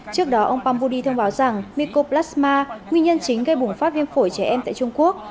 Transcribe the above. trước đó ông pambudi thông báo rằng mycoplasma nguyên nhân chính gây bùng phát viêm phổi trẻ em tại trung quốc